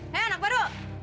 hei anak baru